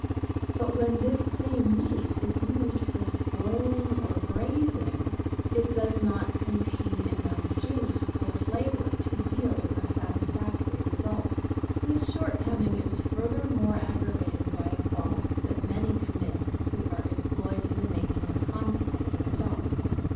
But when this same meat is used for boiling or braising, it does not contain enough juice or flavour to yield a satisfactory result. This shortcoming is furthermore aggravated by a fault that many commit who are employed in the making of consommes and stock.